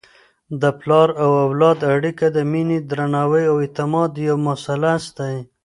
د پلار او اولاد اړیکه د مینې، درناوي او اعتماد یو مثلث دی.